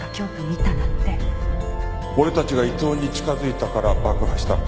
俺たちが伊藤に近づいたから爆破した。